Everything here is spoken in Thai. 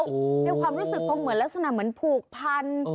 ด้วยความรู้สึกคงเหมือนลักษณะเหมือนผูกพัน